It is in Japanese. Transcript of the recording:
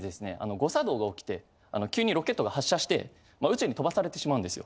誤作動がおきて急にロケットが発射して宇宙に飛ばされてしまうんですよ。